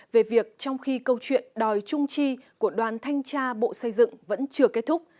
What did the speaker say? về việc trong khi câu chuyện đòi trung tri của đoàn thanh tra bộ xây dựng vẫn chưa kết thúc